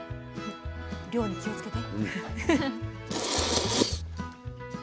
量に気をつけて。